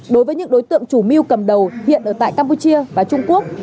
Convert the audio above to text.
đối với những đối tượng chủ mưu cầm đầu hiện ở tại campuchia và trung quốc